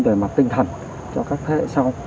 về mặt tinh thần cho các thế hệ sau